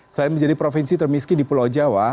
selain menjadi provinsi termiskin di pulau jawa